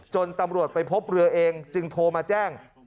ตำรวจไปพบเรือเองจึงโทรมาแจ้ง